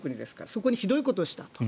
そこにひどいことをしたと。